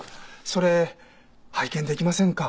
それ拝見できませんか？